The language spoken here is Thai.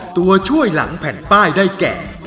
ตัวช่วยหลังแผ่นป้ายได้แก่